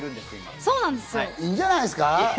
いいんじゃないですか？